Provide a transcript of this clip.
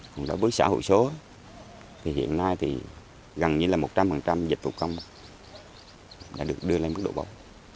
còn đối với xã hội số thì hiện nay thì gần như là một trăm linh dịch vụ công đã được đưa lên mức độ bầu